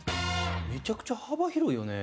めちゃくちゃ幅広いよね。